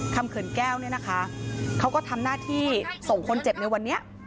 คำขื่นแก้วนะคะเขาก็ทำหน้าที่ส่งคนเจ็บในวันนี้